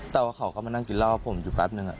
แต่ว่าเขาก็มานั่งกินเหล้าผมอยู่แป๊บนึง